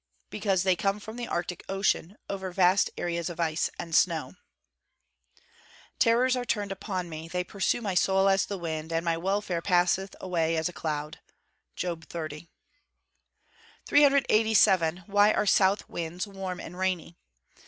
_ Because they come from the arctic ocean, over vast areas of ice and snow. [Verse: "Terrors are turned upon me: they pursue my soul as the wind; and my welfare passeth away as a cloud." JOB XXX.] 387. _Why are south winds warm and rainy?